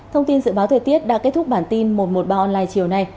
thông tin dự báo thời tiết đã kết thúc bản tin một trăm một mươi ba online chiều nay